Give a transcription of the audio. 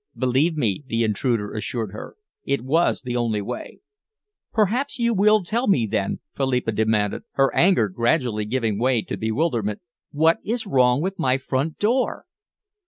"Believe me," the intruder assured her, "it was the only way." "Perhaps you will tell me, then," Philippa demanded, her anger gradually giving way to bewilderment, "what is wrong with my front door?"